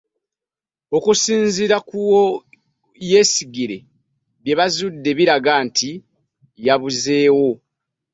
Okusinziira ku Owoyesigire, bye bazudde biraga nti yabuzeewo